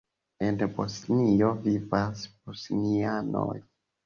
En Bosnio vivas bosnianoj.